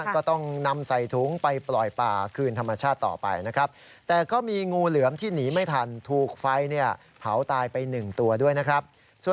ก็ต้องนำใส่ถุงไปปล่อยป่าคืนธรรมชาติต่อไปนะครับ